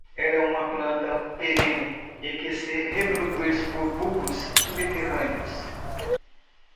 Ela é uma planta perene e que se reproduz por bulbos subterrâneos.